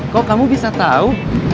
kok kamu bisa tahu